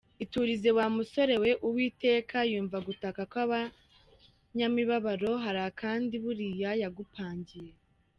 iturize wa musore we Uwiteka yumva gutaka kwabanyamibabaro harakandi buriya yagupangiye.